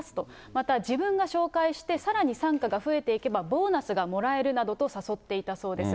また自分が紹介してさらに傘下が増えていけば、ボーナスがもらえるなどと誘っていたそうです。